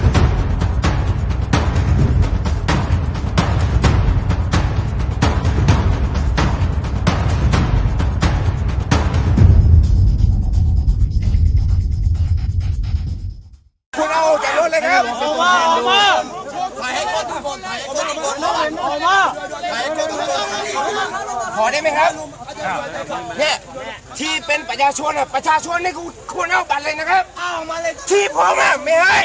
คุณเอาจัดรถละครับอ่าออกมาที่เป็นปราชาชวนค่ะปราชาชวนนี่คงคุณเอาบัตรเลยนะครับอ่าออกมาเลยที่พร้อมอะไม่ให้